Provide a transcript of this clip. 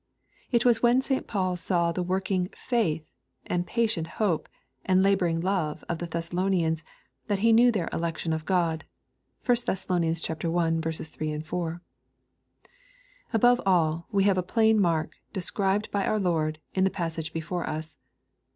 It was when St. Paul saw the working "faith," and patient "hope," and laboring " love" of the Thessalonians, that he knew their "election of God." (1 Thess. i. 3,4.) Above all, we have a plain mark, described by our Lord, in the passage before us.